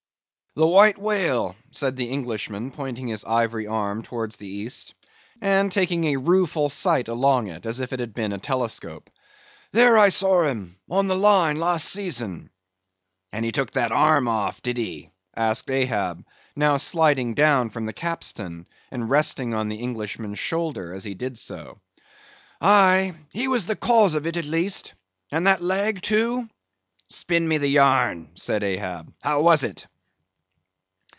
"The White Whale," said the Englishman, pointing his ivory arm towards the East, and taking a rueful sight along it, as if it had been a telescope; "there I saw him, on the Line, last season." "And he took that arm off, did he?" asked Ahab, now sliding down from the capstan, and resting on the Englishman's shoulder, as he did so. "Aye, he was the cause of it, at least; and that leg, too?" "Spin me the yarn," said Ahab; "how was it?"